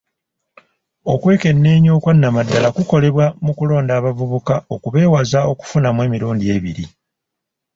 Okwekenneenya okwa nnamaddala kukolebwa mu kulonda abavubuka okubeewaza okufunamu emirundi ebiri.